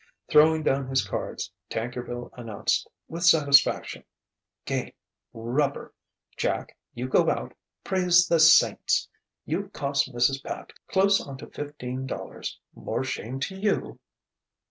Throwing down his cards, Tankerville announced with satisfaction: "Game rubber. Jack, you go out praise the Saints! You've cost Mrs. Pat close onto fifteen dollars, more shame to you!"